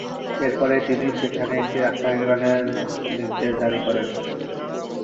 এরপরেই তিনি সেখানে একটি রাস্তা নির্মাণের নির্দেশ জারি করেন।